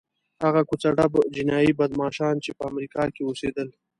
هغه کوڅه ډب جنایي بدماشان چې په امریکا کې اوسېدل.